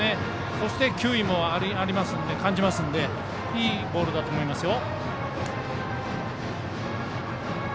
そして球威も感じますのでいいボールだと思いますよ。